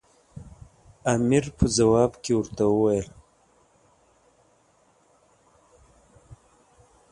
امیر په ځواب کې ورته وویل.